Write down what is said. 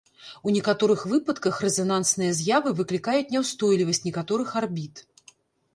У некаторых выпадках рэзанансныя з'явы выклікаюць няўстойлівасць некаторых арбіт.